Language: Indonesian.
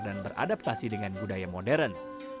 dan beradaptasi dengan budaya modern